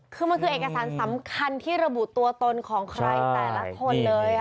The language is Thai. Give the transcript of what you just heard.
คือมันคือเอกสารสำคัญที่ระบุตัวตนของใครแต่ละคนเลย